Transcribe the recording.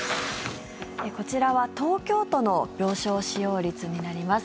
こちらは東京都の病床使用率になります。